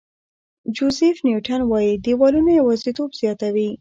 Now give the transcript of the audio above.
جوزیف نیوټن وایي دیوالونه یوازېتوب زیاتوي.